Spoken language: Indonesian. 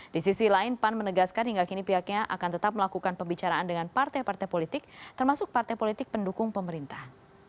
di sisi lain pan menegaskan hingga kini pihaknya akan tetap melakukan pembicaraan dengan partai partai politik termasuk partai politik pendukung pemerintah